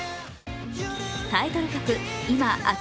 タイトル曲「今−明日